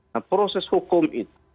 nah proses hukum itu